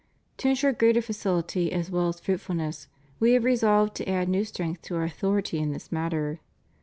To ensure greater facihty as well as fruitfulness, We have resolved to add new strength to Our authority in this matter.